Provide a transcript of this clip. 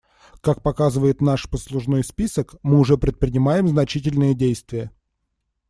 Как показывает наш послужной список, мы уже предпринимаем значительные действия.